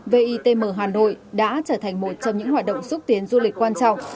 vitm hà nội đã trở thành một trong những hoạt động xúc tiến du lịch quan trọng